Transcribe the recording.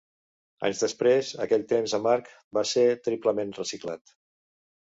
Anys després, aquell temps amarg va ser triplement reciclat.